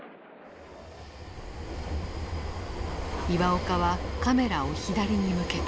岩岡はカメラを左に向けた。